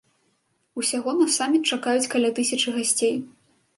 Усяго на саміт чакаюць каля тысячы гасцей.